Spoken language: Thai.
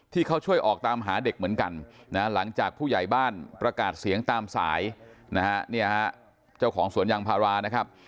ที่เขาช่วยออกตามหาเด็กเหมือนกันนะหลังจากผู้ใหญ่บ้านประกาศเสียงตามสายนะฮะเนี่ยฮะเจ้าของสวนยางพารานะครับ